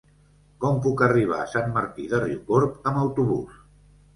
Com puc arribar a Sant Martí de Riucorb amb autobús?